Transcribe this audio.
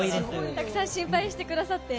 たくさん心配してくださって。